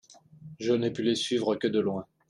Je n'ai pu les suivre que de loin.